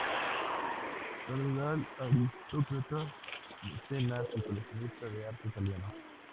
Cardenal, aristócrata, mecenas y coleccionista de arte italiano.